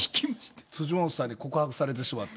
辻元さんに告白されてしまって。